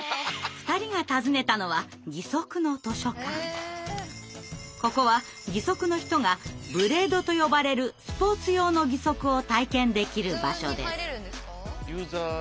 ２人が訪ねたのはここは義足の人が「ブレード」と呼ばれるスポーツ用の義足を体験できる場所です。